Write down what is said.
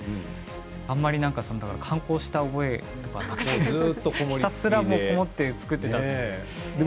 あんまり観光した覚えとかなくてひたすら籠もって作っていました。